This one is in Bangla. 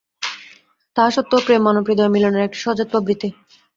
তাহা সত্ত্বেও প্রেম মানব-হৃদয়ে মিলনের একটি সহজাত প্রবৃত্তি।